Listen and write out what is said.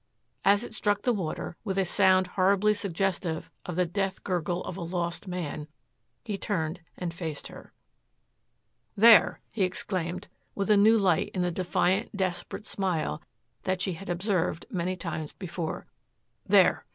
As it struck the water with a sound horribly suggestive of the death gurgle of a lost man, he turned and faced her. "There," he exclaimed with a new light in the defiant, desperate smile that she had observed many times before, "there.